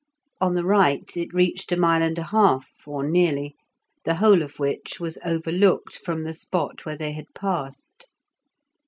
On the right it reached a mile and a half or nearly, the whole of which was overlooked from the spot where they had passed.